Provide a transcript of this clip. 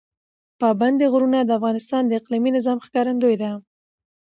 پابندی غرونه د افغانستان د اقلیمي نظام ښکارندوی ده.